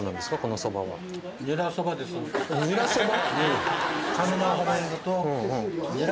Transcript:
ニラそば？